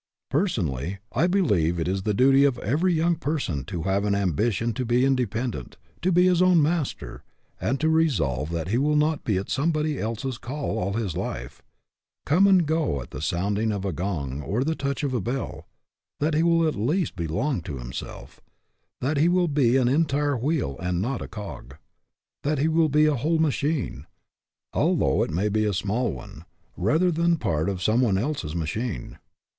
Personally, I believe it is the duty of every young person to have an ambition to be independent, to be his own master, and to re solve that he will not be at somebody else's call all his life come and go at the sounding of a gong or the touch of a bell that he will at least belong to himself; that he will be an entire wheel and not a cog; that he will be a whole machine, although it may be a small one, rather than part of someone else's machine.